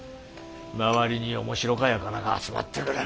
周りに面白か輩が集まってくる。